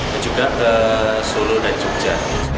dan juga ke sulu dan jogja